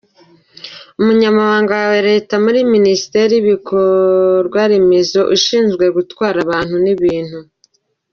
Umunyamabanga wa leta muri Minisiteri y’Ibikorwaremezo ushinzwe gutwara abantu n’ibintu, Dr.